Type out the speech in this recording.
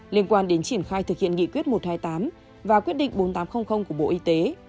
liên quan đến triển khai thực hiện nghị quyết một trăm hai mươi tám và quyết định bốn nghìn tám trăm linh của bộ y tế